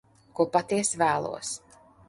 Ko patiesi vēlos.